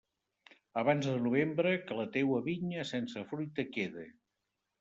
Abans de novembre, que la teua vinya sense fruita quede.